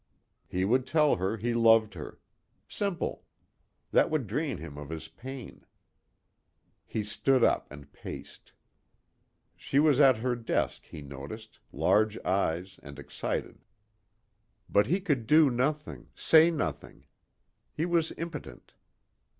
He would tell her he loved her. Simple. That would drain him of his pain. He stood up and paced. She was at her desk, he noticed, eyes large and excited. But he could do nothing, say nothing. He was impotent.